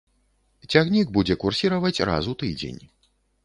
Цягнік будзе курсіраваць раз у тыдзень.